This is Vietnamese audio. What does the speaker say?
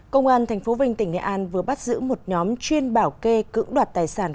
công an tp vinh tỉnh nghệ an vừa bắt giữ một nhóm chuyên bảo kê cưỡng đoạt tài sản